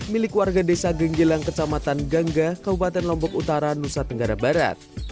milik warga desa genggelang kecamatan gangga kabupaten lombok utara nusa tenggara barat